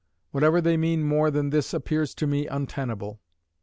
Whatever they mean more than this appears to me untenable.